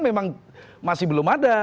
memang masih belum ada